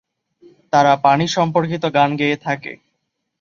তারা পানি সম্পর্কিত গান গেয়ে থাকে।